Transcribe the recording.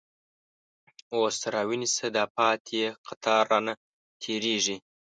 اوس راونیسه داپاتی، چی قطار رانه تير یږی